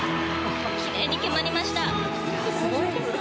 きれいに決まりました。